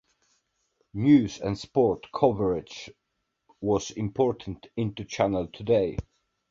News and sport coverage was incorporated into "Channel M Today".